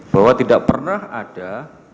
bahwa tidak pernah ada